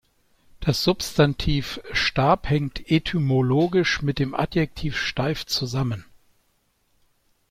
Das Substantiv Stab hängt etymologisch mit dem Adjektiv "steif" zusammen.